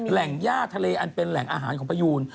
ย่าทะเลอันเป็นแหล่งอาหารของพยูน